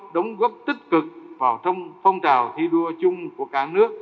đóng góp tích cực vào trong phong trào thi đua chung của cả nước